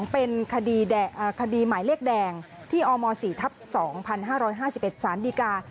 เป็นคดีหมายเลขแดงที่อม๔ทับ๒๕๕๑สารดีกา